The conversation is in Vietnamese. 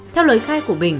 theo lời khai của bình